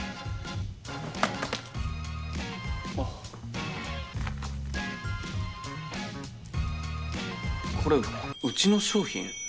あこれうちの商品？